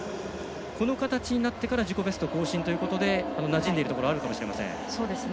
この形にしてから自己ベスト更新ということでなじんでいるのかもしれません。